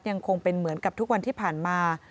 ยังคงเป็นเหมือนกับทุกวันที่ผ่านมา